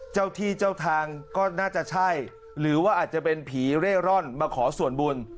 เจ้าที่เจ้าทางก็น่าจะใช่หรือว่าอาจจะเป็นผีเร่ร่อนมาขอส่วนบุญ